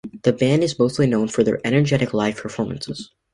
The band is mostly known for their energetic live performances.